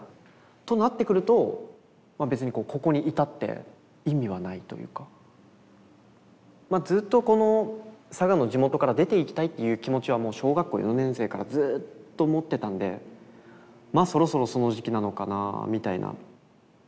となってくるとまあ別にまあずっとこの佐賀の地元から出ていきたいという気持ちはもう小学校４年生からずっと持ってたんでそろそろその時期なのかなみたいな。